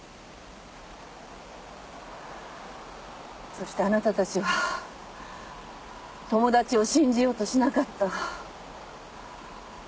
そしてあなたたちは友達を信じようとしなかった。